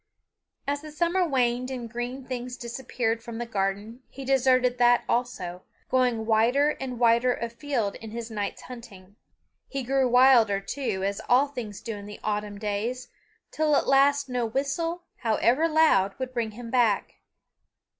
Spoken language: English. As the summer waned and green things disappeared from the garden he deserted that also, going wider and wider afield in his night's hunting. He grew wilder, too, as all things do in the autumn days, till at last no whistle, however loud, would bring him back.